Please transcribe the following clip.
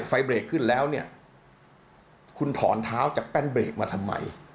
ไฟเบรกขึ้นแล้วเนี่ยคุณถอนเท้าจากแป้นเบรกมาทำไม